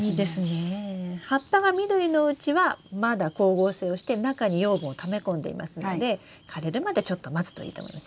葉っぱが緑のうちはまだ光合成をして中に養分をため込んでいますので枯れるまでちょっと待つといいと思いますよ。